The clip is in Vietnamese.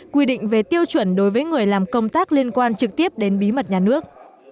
quy định về tiêu chuẩn đối với người làm công tác liên quan trực tiếp đến bí mật nhà nước